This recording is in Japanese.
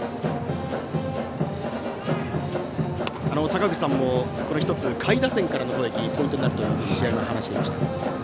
坂口さんも１つ下位打線からの攻撃がポイントになるというふうに試合前に話していました。